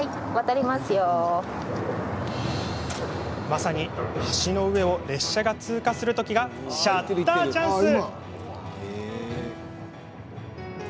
まさに橋の上を列車が通過するときがシャッターチャンス！